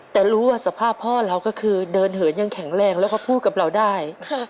แต่รู้ว่าสภาพพ่อเราก็คือเดินเหินยังแข็งแรงแล้วก็พูดกับเราได้